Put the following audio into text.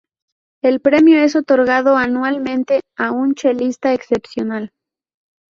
El premio es otorgado anualmente a un chelista excepcional.